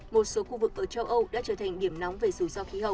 một số khu vực ở châu âu đã trở thành điểm nóng về rủi ro khí hậu